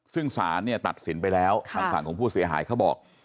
ซึ่งศาลเนี่ยตัดสินไปแล้วทางฝั่งของผู้เสียหายเขาบอก